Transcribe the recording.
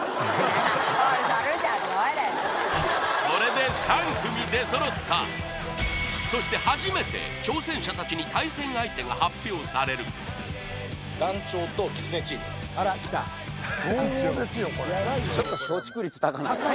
これで３組出揃ったそして初めて挑戦者たちに対戦相手が発表される高いですね